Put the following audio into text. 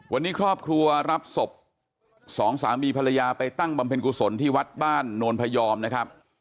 วันนี้ครอบครัวรับศพสองสามีภรรยาไปตั้งบำเพ็ญกุศลที่วัดบ้านโนนพยอมนะครับ